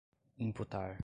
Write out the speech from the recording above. imputar